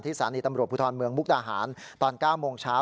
สถานีตำรวจภูทรเมืองมุกดาหารตอน๙โมงเช้า